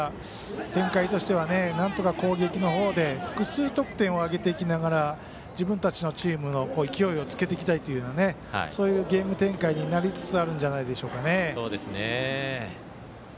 展開としてはなんとか攻撃の方で複数得点を挙げていきながら自分たちのチームに勢いをつけていきたいというそういうゲーム展開になりつつあるんじゃないでしょうかね。